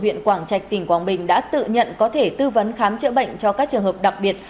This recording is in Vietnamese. huyện quảng trạch tỉnh quảng bình đã tự nhận có thể tư vấn khám chữa bệnh cho các trường hợp đặc biệt